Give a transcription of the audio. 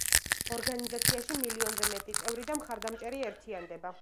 ორგანიზაციაში მილიონზე მეტი წევრი და მხარდამჭერი ერთიანდება.